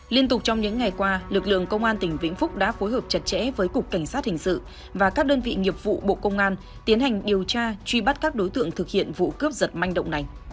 liên tục trong những ngày qua lực lượng công an tỉnh vĩnh phúc đã phối hợp chặt chẽ với cục cảnh sát hình sự và các đơn vị nghiệp vụ bộ công an tiến hành điều tra truy bắt các đối tượng thực hiện vụ cướp giật manh động này